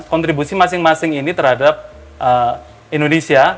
kontribusi masing masing ini terhadap indonesia